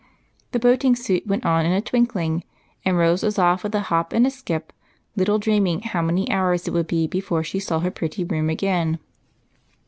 The boating suit went on in a twinkling, and Rose was off with a hop and a skip, little dreaming how many hours it would be before she saw her pretty room again.